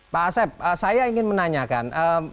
pak asep saya ingin menanyakan